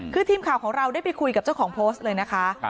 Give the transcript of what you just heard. คือทีมข่าวของเราได้ไปคุยกับเจ้าของโพสต์เลยนะคะ